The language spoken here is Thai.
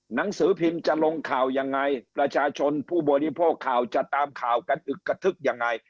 หนังสือพิมพ์จะลงข่าวยังไงประชาชนผู้บริโภคข่าวจะตามข่าวกันอึกกระทึกยังไง